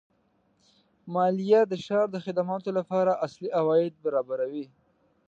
مالیه د ښار د خدماتو لپاره اصلي عواید برابروي.